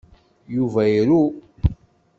Yuba iru.